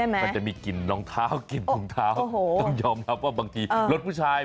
มันจะมีกลิ่นรองเท้ากลิ่นรองเท้าต้องยอมรับว่าบางทีรถผู้ชาย